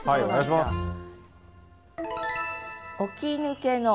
はいお願いします。